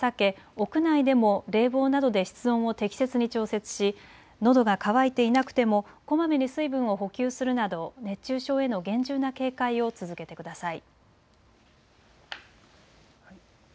屋内でも冷房などで室温を適切に調節し、のどが渇いていなくてもこまめに水分を補給するなど熱中症への厳重な警戒を続けてください。